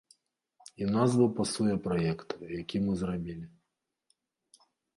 І назва пасуе праекту, які мы зрабілі.